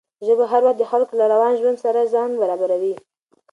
ژبه هر وخت د خلکو له روان ژوند سره ځان برابروي.